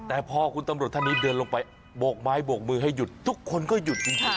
แต่พอคุณตำรวจท่านนี้เดินลงไปโบกไม้โบกมือให้หยุดทุกคนก็หยุดจริง